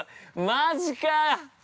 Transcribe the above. マジかあ。